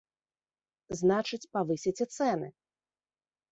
Значыць, павысяць і цэны.